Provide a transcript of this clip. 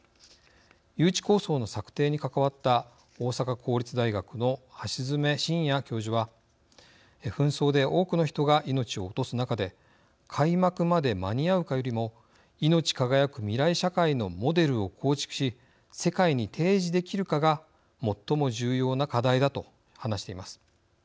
誘致構想の策定に関わった大阪公立大学の橋爪紳也教授は紛争で多くの人が命を落とす中で開幕までに間に合うかよりもいのち輝く未来社会のモデルを構築し、世界に提示できるかが最も重要な課題だと話しています。